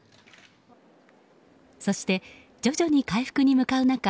そして、徐々に回復に向かう中